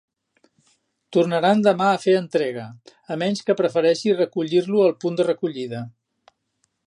Tornaran demà a fer entrega, a menys que prefereixi recollir-lo al punt de recollida.